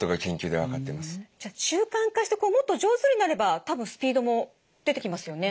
じゃあ習慣化してもっと上手になれば多分スピードも出てきますよね。